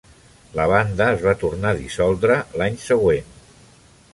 La banda es va tornar a dissoldre l'any següent.